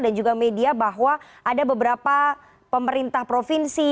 dan juga media bahwa ada beberapa pemerintah provinsi